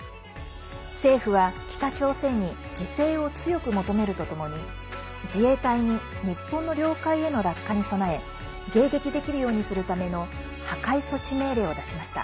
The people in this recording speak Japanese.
政府は北朝鮮に自制を強く求めるとともに自衛隊に日本の領海への落下に備え迎撃できるようにするための破壊措置命令を出しました。